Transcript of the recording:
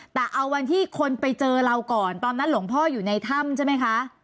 แต่เอาวันที่คนไปเจอเราก่อนตอนนั้นหลวงพ่ออยู่ในถ้ำใช่ไหมคะ